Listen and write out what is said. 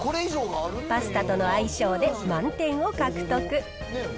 パスタとの相性で満点を獲得。